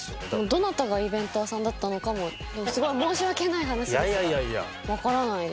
どなたがイベンターさんだったのかもすごい申し訳ない話ですがわからないですね。